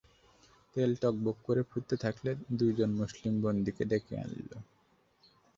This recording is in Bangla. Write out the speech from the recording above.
তেল টগবগ করে ফুটতে থাকলে দুজন মুসলমান বন্দীকে ডেকে আনল।